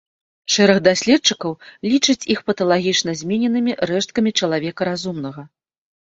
Шэраг даследчыкаў лічыць іх паталагічна змененымі рэшткамі чалавека разумнага.